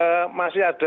ya memang masih ada